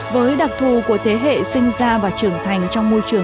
với đặc thù của thế hệ sinh ra và trưởng thành trong môi trường